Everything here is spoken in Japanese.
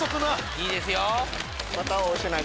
いいですよ！